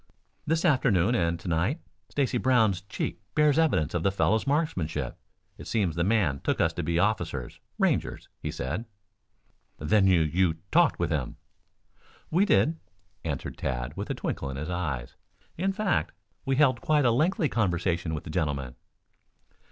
"This afternoon and to night. Stacy Brown's cheek bears evidence of the fellow's marksmanship. It seems the man took us to be officers Rangers, he said." "Then you you talked with him?" "We did," answered Tad with a twinkle in his eyes. "In fact we held quite a lengthy conversation with the gentleman."